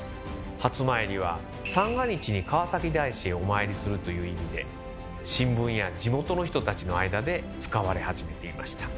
初詣は「三が日に川崎大師へお参りする」という意味で新聞や地元の人たちの間で使われ始めていました。